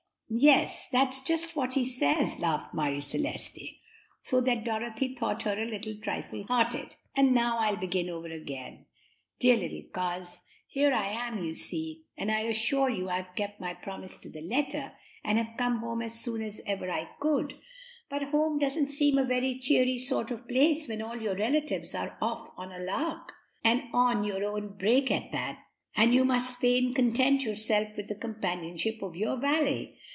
"Yes, that's just what he says," laughed Marie Celeste; so that Dorothy thought her a trifle hard hearted. "And now I'll begin over again. 'Dear little Coz, here I am, you see, and I assure you I have kept my promise to the letter, and have come home as soon as ever I could; but home doesn't seem a very cheery sort of place when all your relatives are off on a lark, and on your own brake at that, and you must fain content yourself with the companionship of your valet.